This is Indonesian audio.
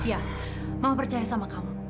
ya mau percaya sama kamu